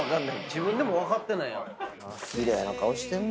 自分でも分かってないやん。